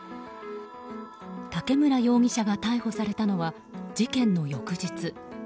竹村容疑者が逮捕されたのは事件の翌日。